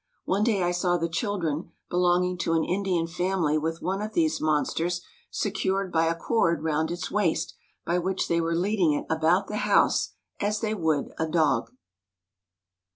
One day I saw the children belonging to an Indian family with one of these monsters secured by a cord round its waist, by which they were leading it about the house as they would a dog."